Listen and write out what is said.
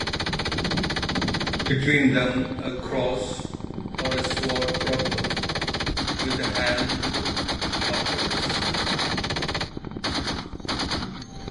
Between them a cross or a sword proper, with the handle upwards.